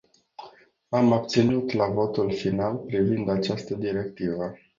M-am abținut la votul final privind această directivă.